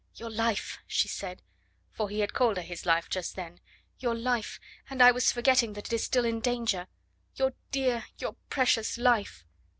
"Your life," she said for he had called her his life just then, "your life and I was forgetting that it is still in danger... your dear, your precious life!"